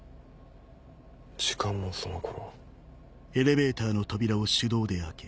時間もその頃。